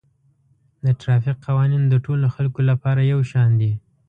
د ټرافیک قوانین د ټولو خلکو لپاره یو شان دي